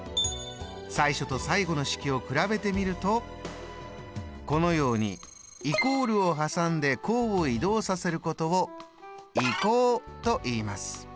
最初と最後の式を比べてみるとこのようにイコールを挟んで項を移動させることを「移項」といいます。